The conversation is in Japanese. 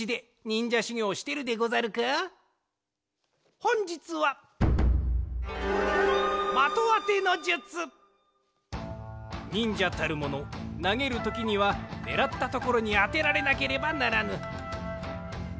ほんじつはにんじゃたるものなげるときにはねらったところにあてられなければならぬ。